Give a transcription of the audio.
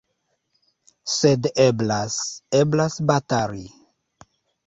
Sed eblas, eblas batali!